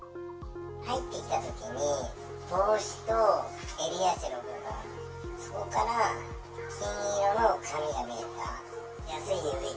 入ってきたときに、帽子と襟足の部分、そこから金色の髪が見えた。